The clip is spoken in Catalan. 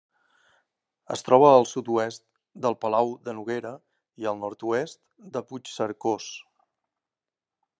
Es troba al sud-oest de Palau de Noguera i al nord-oest de Puigcercós.